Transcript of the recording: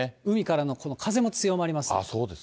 海からのこの風も強まります。